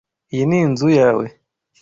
Iyi ni inzu yawe?